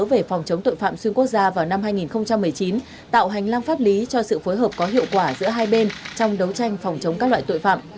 về phòng chống tội phạm xuyên quốc gia vào năm hai nghìn một mươi chín tạo hành lang pháp lý cho sự phối hợp có hiệu quả giữa hai bên trong đấu tranh phòng chống các loại tội phạm